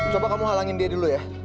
coba kamu halangin dia dulu ya